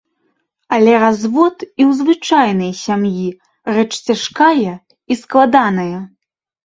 Але развод і ў звычайнай сям'і рэч цяжкая і складаная.